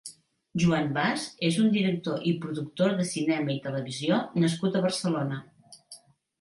Joan Bas és un director i productor de cinema i televisió nascut a Barcelona.